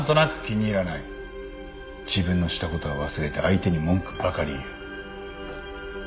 自分のしたことは忘れて相手に文句ばかり言う。